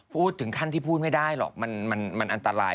พูดถึงขั้นที่พูดไม่ได้หรอกมันอันตราย